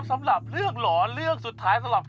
ไม่เห็นที่ให้ชัด